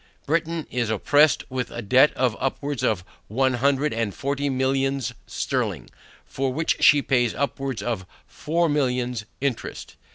Britain is oppressed with a debt of upwards of one hundred and forty millions sterling, for which she pays upwards of four millions interest.